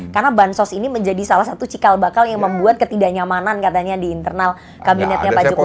karena bansos ini menjadi salah satu cikal bakal yang membuat ketidaknyamanan katanya di internal kabinetnya pak jokowi